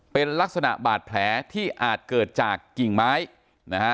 เป็นลักษณะบาดแผลที่อาจเกิดจากกิ่งไม้นะฮะ